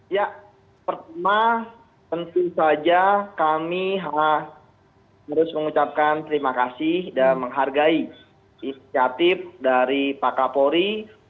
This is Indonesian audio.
ya pertama tentu saja kami harus mengucapkan terima kasih dan menghargai inisiatif dari pak kapolri